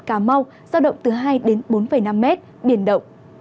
cà mau do động từ hai bốn năm mét biển động